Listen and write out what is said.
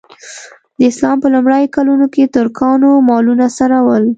د اسلام په لومړیو کلونو کې ترکانو مالونه څرول.